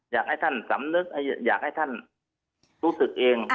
อยากให้ท่านสำนึกอยากให้ท่านรู้สึกเอง